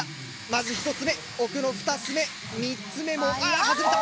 まず１つ目奥の２つ目３つ目もああ外れた！